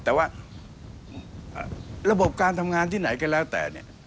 แต่ว่าระบบการทำงานที่ไหนก็แล้วแต่เนี่ย